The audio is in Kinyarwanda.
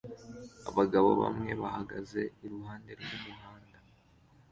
Abagabo bamwe bahagaze iruhande rw'umuhanda